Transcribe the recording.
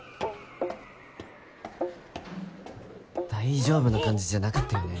大丈夫な感じじゃなかったよね